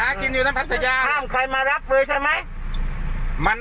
หากินอยู่นั่นพัทยาห้ามใครมารับฟื้อใช่ไหมมัน